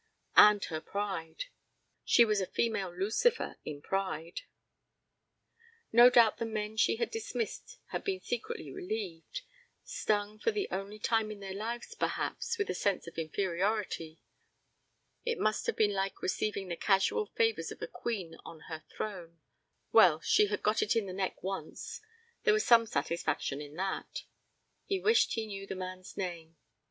And her pride! She was a female Lucifer in pride. No doubt the men she had dismissed had been secretly relieved; stung for the only time in their lives perhaps, with a sense of inferiority. It must have been like receiving the casual favors of a queen on her throne. Well, she had got it in the neck once; there was some satisfaction in that. He wished he knew the man's name.